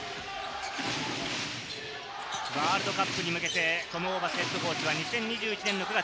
ワールドカップに向けてトム・ホーバスＨＣは２０２１年の９月。